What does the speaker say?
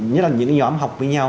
nhất là những nhóm học với nhau